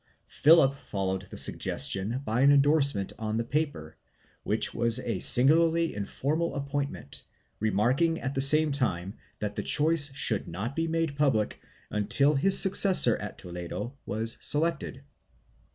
Philip followed the suggestion by an endorsement on the paper, which was a singularly informal appointment, remarking at the same time that the choice should not be made public until his successor at Toledo was selected.